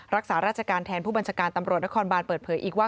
รักษาราชการแทนผู้บัญชาการตำรวจนครบานเปิดเผยอีกว่า